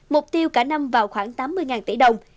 mục tiêu cả năm vào khoảng tám mươi tỷ đồng